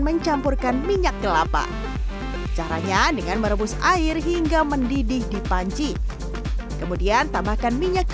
mencampurkan minyak kelapa caranya dengan merebus air hingga mendidih di panci kemudian tambahkan minyak